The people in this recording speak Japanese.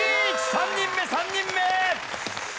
３人目３人目！